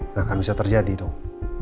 nggak akan bisa terjadi dong